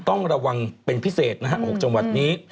ต้องระวังเป็นพิเศษนะฮะ๖จังหวัดนี้